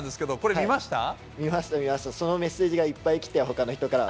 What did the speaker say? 見ました、見ました、そのメッセージがいっぱい来て、ほかの人から。